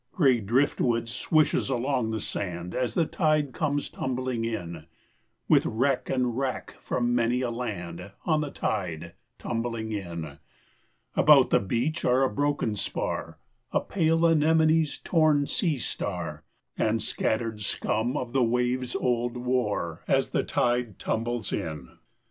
Gray driftwood swishes along the sand, As the tide comes tumbling in. With wreck and wrack from many a land, On the tide, tumbling in. About the beach are a broken spar, A pale anemone's torn sea star And scattered scum of the waves' old war, As the tide tumbles in.